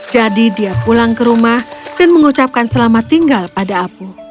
jadi dia pulang ke rumah dan mengucapkan selamat tinggal pada apu